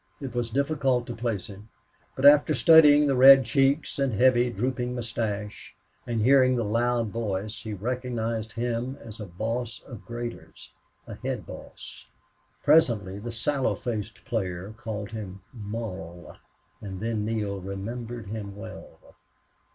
It was difficult to place him, but after studying the red cheeks and heavy, drooping mustache, and hearing the loud voice, he recognized him as a boss of graders a head boss. Presently the sallow faced player called him Mull, and then Neale remembered him well.